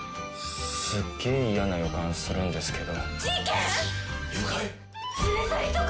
すげえ嫌な予感するんですけど。